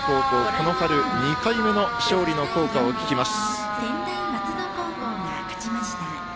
この春、２回目の勝利の校歌を聴きます。